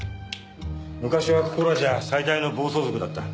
昔はここらじゃ最大の暴走族だった。